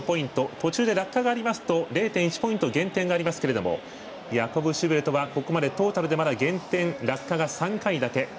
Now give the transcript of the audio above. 途中で落下がありますと０．１ポイント減点がありますがヤコブ・シューベルトはここまでトータルで減点、落下が３回だけ。